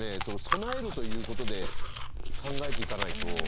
備えるということで考えていかないと。